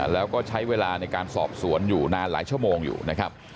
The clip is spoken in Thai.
แล้วก็ใช้เวลาในการสอบสวนอยู่นานหลายชั่วโมงอยู่นะครับ